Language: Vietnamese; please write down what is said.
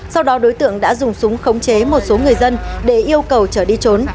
sau đó đối tượng đã dùng súng khống chế một số người dân để yêu cầu trở đi trốn